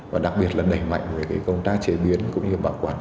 và đặc biệt là nảy mạnh về cái công tác chế biến cũng như bảo quản sau thu hoạch